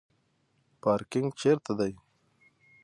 پارکینګ چیرته دی؟